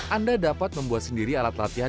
anda dapat membuat sendiri alat latihan